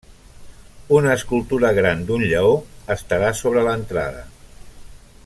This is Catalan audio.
Una escultura gran d'un lleó estarà sobre l'entrada.